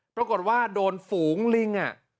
ปรากฏว่าโดนฝูงลิง